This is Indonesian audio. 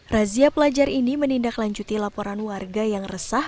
razia pelajar ini menindaklanjuti laporan warga yang resah